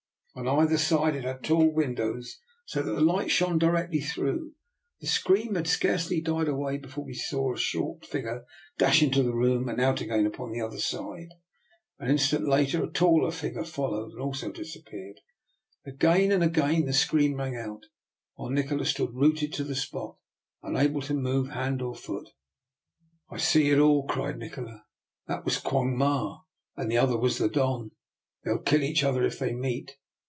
On either side it had tall win dows, so that the light shone directly through. The scream had scarcely died away before we distinctly saw a short figure dash into the room, and out again upon the other side. An instant later and a taller figure followed, and 20 302 DR. NIKOLA'S EXPERIMENT. also disappeared. Again and again the scream rang out, while Nikola stood rooted to the spot, unable to move hand or foot. I see it all,'' cried Nikola. " That was Quong Ma and the other was the Don. They'll kill each other if they meet."